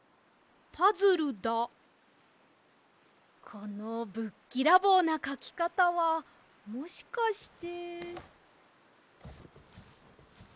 このぶっきらぼうなかきかたはもしかして。